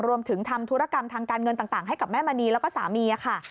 ทำธุรกรรมทางการเงินต่างให้กับแม่มณีแล้วก็สามีค่ะ